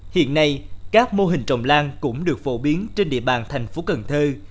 hiện nay các mô hình trồng lan cũng được phổ biến trên địa bàn thành phố cần thơ